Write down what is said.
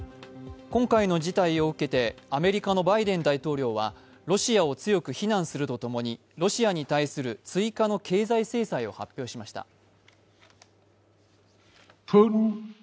今回の事態を受けてアメリカのバイデン大統領はロシアを強く非難するとともに、ロシアに対する追加の経済制裁を発表しました。